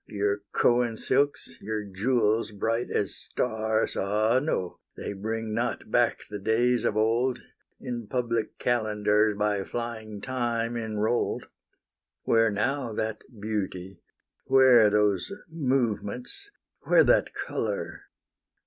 Your Coan silks, your jewels bright as stars, Ah no! they bring not back the days of old, In public calendars By flying Time enroll'd. Where now that beauty? where those movements? where That colour?